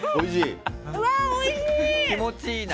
おいしい？